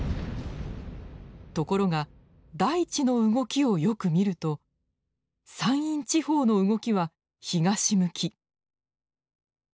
ところが大地の動きをよく見ると山陰地方の動きは東向き。